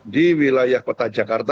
di wilayah kota jakarta